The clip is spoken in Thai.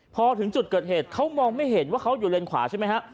พอถึงจุดเกิดเหตุเขามองไม่เห็นว่าเขาอยู่เลนขวาใช่ไหมฮะ